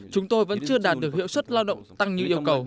chúng tôi vẫn chưa đạt được hiệu suất lao động tăng như yêu cầu